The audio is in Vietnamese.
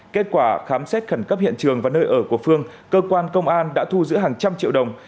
kết quả khám xét khẩn cấp hiện trường và nơi ở của phương cơ quan công an đã thu giữ hàng trăm triệu đồng